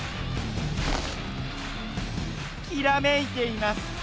キラめいています！